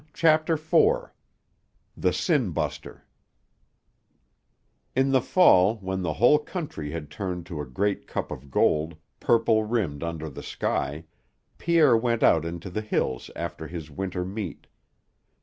CHAPTER IV THE SIN BUSTER In the fall, when the whole country had turned to a great cup of gold, purple rimmed under the sky, Pierre went out into the hills after his winter meat.